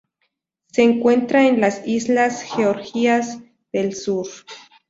Se encuentra en las Islas Georgias del Sur.